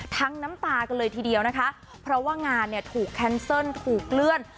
น้ำตากันเลยทีเดียวนะคะเพราะว่างานเนี่ยถูกแคนเซิลถูกเลื่อน